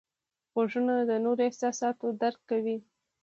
غوږونه د نورو احساسات درک کوي